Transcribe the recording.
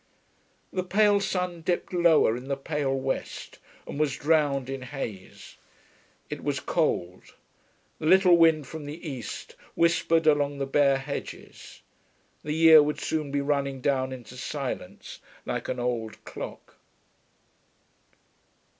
The pale sun dipped lower in the pale west, and was drowned in haze. It was cold. The little wind from the east whispered along the bare hedges. The year would soon be running down into silence, like an old clock.